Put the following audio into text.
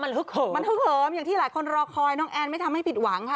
มันฮึกเหิมมันฮึกเหิมอย่างที่หลายคนรอคอยน้องแอนไม่ทำให้ผิดหวังค่ะ